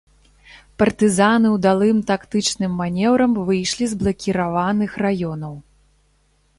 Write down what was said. Партызаны ўдалым тактычным манеўрам выйшлі з блакіраваных раёнаў.